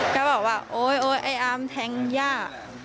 ก็บอกว่าโอ๊ยโอ๊ยไอ้อามแทงย่า